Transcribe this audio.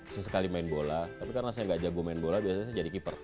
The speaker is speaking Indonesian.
sesekali main bola tapi karena saya gak jago main bola biasanya saya jadi keeper